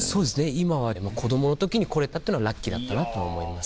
今はでも子供の時に来れたっていうのはラッキーだったなとは思います。